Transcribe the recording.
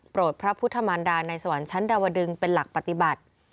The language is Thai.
พระพุทธมารดาในสวรรค์ชั้นดาวดึงเป็นหลักปฏิบัติ